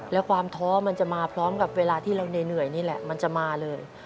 แล้วความท้อมันจะมาพร้อมกับเวลาที่เราเหนื่อยนี่แหละมันจะมาเลย